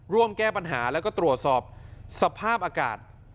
ร่วมแก้ปัญหาแล้วก็ตรวจสอบสภาพอากาศ